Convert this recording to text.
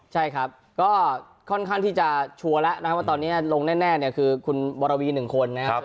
ใช่ครับก็ค่อนข้างที่จะชัวร์แล้วนะครับว่าตอนนี้ลงแน่เนี่ยคือคุณบรวี๑คนนะครับ